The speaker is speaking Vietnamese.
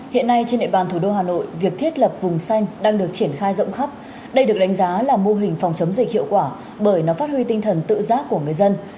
hiện nay trên địa bàn thủ đô hà nội việc thiết lập vùng xanh đang được triển khai rộng khắp đây được đánh giá là mô hình phòng chống dịch hiệu quả bởi nó phát huy tinh thần tự giác của người dân